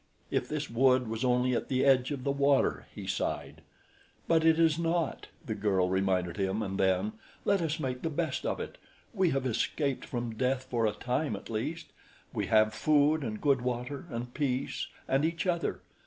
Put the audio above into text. "If this wood was only at the edge of the water," he sighed. "But it is not," the girl reminded him, and then: "Let us make the best of it. We have escaped from death for a time at least. We have food and good water and peace and each other.